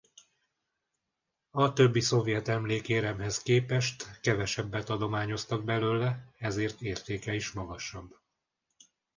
A többi szovjet emlékéremhez képest kevesebbet adományoztak belőle ezért értéke is magasabb.